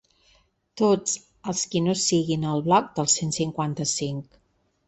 Tots els qui no siguin el bloc del cent cinquanta-cinc.